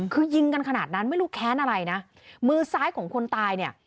คือยิงกันขนาดนั้นไม่รู้แค้นอะไรนะมือซ้ายของคนตายเนี่ย